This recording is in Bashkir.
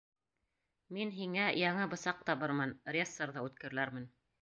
— Мин һиңә яңы бысаҡ табырмын, рессорҙы үткерләрмен.